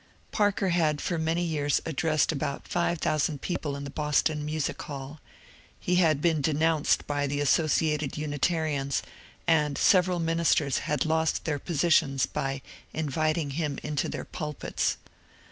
Parker had for many years addressed about five thousand people in the Boston Music Hall ; he had been denounced by the associated Unitarians, and several ministers had lost their positions by inviting him into their pulpits.